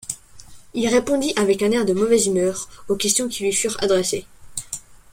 Il répondit avec un air de mauvaise humeur aux questions qui lui furent adressées.